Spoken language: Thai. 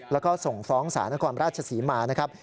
แล้วก็ส่งฟ้องศาลนครราชศรีมานะครับ